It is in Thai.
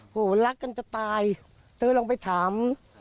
โหรักกันจะตายเธอลองไปถาม